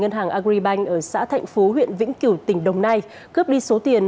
ngân hàng agribank ở xã thạnh phú huyện vĩnh kiểu tỉnh đồng nai cướp đi số tiền